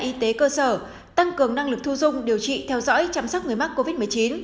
y tế cơ sở tăng cường năng lực thu dung điều trị theo dõi chăm sóc người mắc covid một mươi chín